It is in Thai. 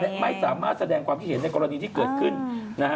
แล้วก็ไม่สามารถแสดงความที่เห็นไปกรณีที่เกิดขึ้น